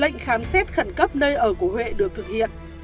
lệnh khám xét khẩn cấp nơi ở của huệ được thực hiện